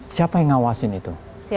siapa yang mengawasi itu